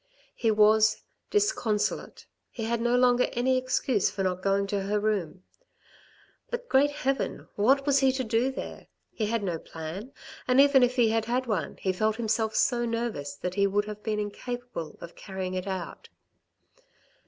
He was disconso late, he had no longer any excuse for not going to her room. But, Great Heaven ! What was he to do there ? He had no plan, and even if he had had one, he felt himself so nervous that he would have been incapable of carrying it out.